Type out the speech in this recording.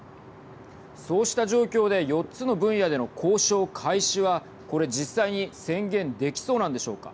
そうした状況で４つの分野での交渉開始はこれ、実際に宣言できそうなんでしょうか。